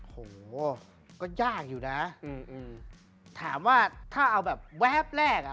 โหก็ยากอยู่นะอืมถามว่าถ้าเอาแบบแวบแรกอ่ะ